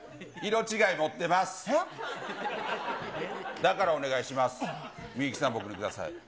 だからお願いします。